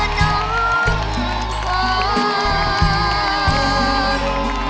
เจ้าน้องพร